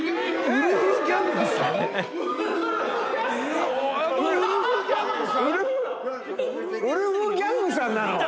ウルフギャングさんなの？